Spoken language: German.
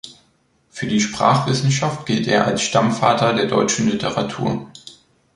Für die Sprachwissenschaft gilt er als „Stammvater der deutschen Literatur“.